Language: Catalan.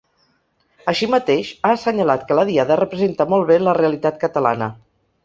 Així mateix, ha assenyalat que la Diada representa molt bé la realitat catalana.